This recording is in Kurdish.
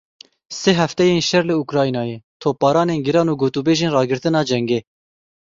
Sê hefteyên şer li Ukraynayê, topbaranên giran û gotûbêjên ragirtina cengê.